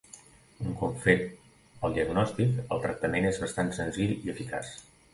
Un cop fet el diagnòstic, el tractament és bastant senzill i eficaç.